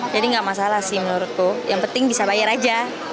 nggak masalah sih menurutku yang penting bisa bayar aja